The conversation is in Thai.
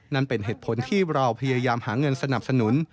นั่นเป็นเหตุผลที่เราพยายามหาเงินสนับสนุน